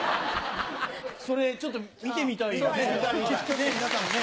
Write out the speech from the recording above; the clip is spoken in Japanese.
それちょっと見てみたいよね？